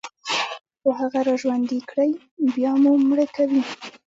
خو هغه راژوندي كړئ، بيا مو مړه کوي